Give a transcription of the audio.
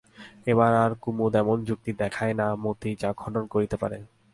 এবার আর কুমুদ এমন যুক্তি দেখায় না মতি যা খণ্ডন করিতে পারে।